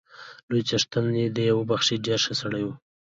لوی څښتن دې يې وبخښي، ډېر ښه سړی وو